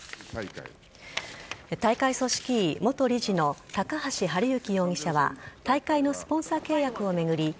大会組織委元理事の高橋治之容疑者は大会のスポンサー契約を巡り